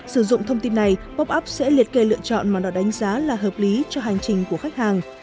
sử dụng thông tin này popup sẽ liệt kê lựa chọn mà đòi đánh giá là hợp lý cho hành trình của khách hàng